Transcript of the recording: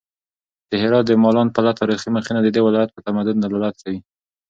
د هرات د مالان پله تاریخي مخینه د دې ولایت په تمدن دلالت کوي.